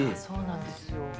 そうなんですよ。